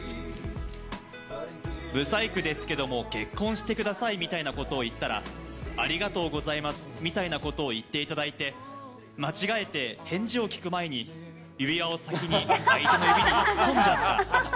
不細工ですけども結婚してくださいみたいなことを言ったら、ありがとうございますみたいなことを言っていただいて、間違えて返事を聞く前に、指輪を先に相手の指に突っ込んじゃった。